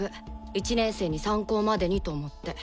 １年生に参考までにと思って。